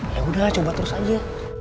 ya udah coba terus aja